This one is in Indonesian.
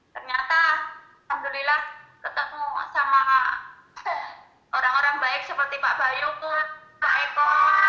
ternyata alhamdulillah ketemu sama orang orang baik seperti pak bayukut pak eko